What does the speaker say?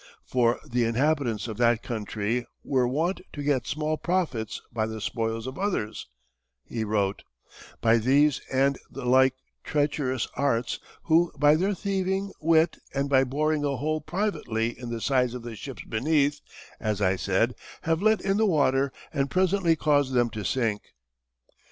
"For the Inhabitants of that Countrey are wont to get small profits by the spoils of others," he wrote, "by these and the like treacherous Arts, who by their thieving wit, and by boring a hole privately in the sides of the ships beneath (as I said) have let in the water and presently caused them to sink."